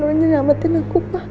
nanti nyelamatkan aku